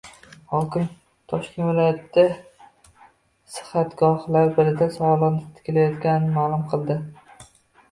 Hokim Toshkent viloyatidagi sihatgohlardan birida sogʻligʻini tiklayotganini maʼlum qildi.